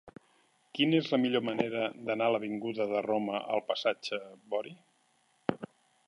Quina és la millor manera d'anar de l'avinguda de Roma al passatge de Bori?